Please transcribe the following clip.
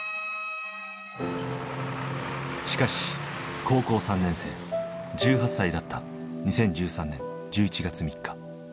しかし高校３年生１８歳だった２０１３年１１月３日。